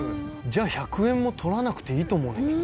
「じゃあ１００円も取らなくていいと思うねんけど」